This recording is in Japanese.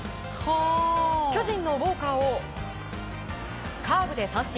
巨人のウォーカーをカーブで三振。